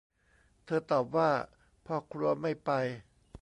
เธอตอบว่าพ่อครัวไม่ไป